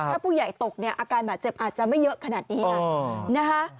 ถ้าผู้ใหญ่ตกเนี่ยอาการบาดเจ็บอาจจะไม่เยอะขนาดนี้นะคะ